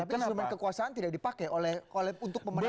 tapi instrumen kekuasaan tidak dipakai untuk pemerintah